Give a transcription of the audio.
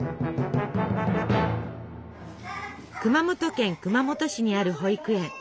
熊本県熊本市にある保育園。